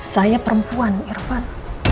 saya perempuan irwan